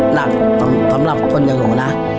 สำหรับคนอย่างหนูนะ